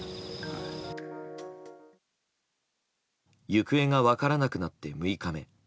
行方が分からなくなって６日目。